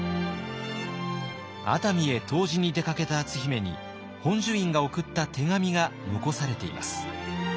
熱海へ湯治に出かけた篤姫に本寿院が送った手紙が残されています。